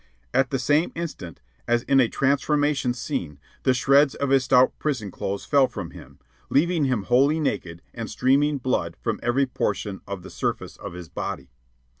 At the same instant, as in a transformation scene, the shreds of his stout prison clothes fell from him, leaving him wholly naked and streaming blood from every portion of the surface of his body.